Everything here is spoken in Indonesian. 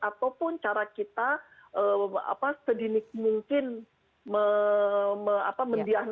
ataupun cara kita sedikit mungkin mendianosa